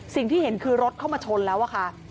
สิ่งที่เห็นคือรถเข้ามาชนแล้วอะค่ะ